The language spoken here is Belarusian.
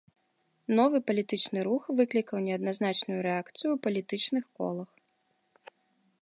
Новы палітычны рух выклікаў неадназначную рэакцыю ў палітычных колах.